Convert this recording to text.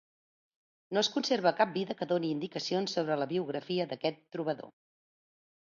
No es conserva cap vida que doni indicacions sobre la biografia d'aquest trobador.